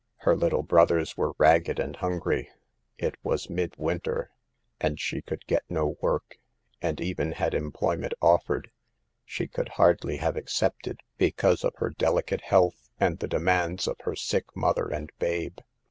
Her little brothers were ragged and hungry. It was mid Winter, and she could get no work; and even had employment offered, 168 SAVE THE GIKLS. she could hardly have accepted, because of her delicate health, and the demands of her sick mother and babe.